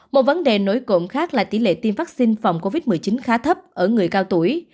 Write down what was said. một vấn đề nổi cộn khác là tỷ lệ tiêm vaccine phòng covid một mươi chín khá thấp ở người cao tuổi